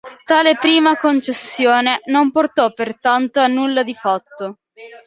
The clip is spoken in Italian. Tale prima concessione non portò pertanto a nulla di fatto.